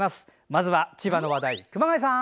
まずは千葉の話題、熊谷さん。